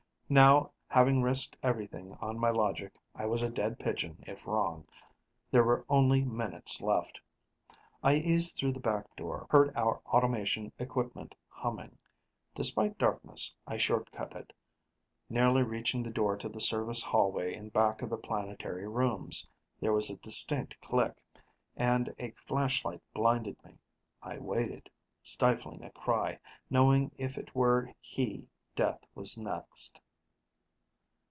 Now, having risked everything on my logic, I was a dead pigeon if wrong. There were only minutes left. I eased through the back door, heard our automation equipment humming. Despite darkness, I shortcutted, nearly reaching the door to the service hallway in back of the planetary rooms. There was a distinct click, and a flashlight blinded me. I waited, stifling a cry, knowing if it were he, death was next.